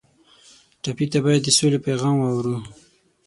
ټپي ته باید د سولې پیغام واورو.